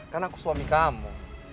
kan aku suami kamu